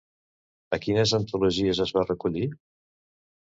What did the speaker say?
A quines antologies es va recollir?